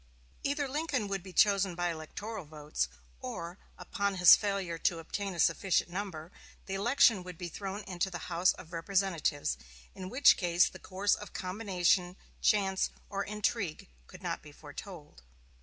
Either Lincoln would be chosen by electoral votes, or, upon his failure to obtain a sufficient number, the election would be thrown into the House of Representatives, in which case the course of combination, chance, or intrigue could not be foretold.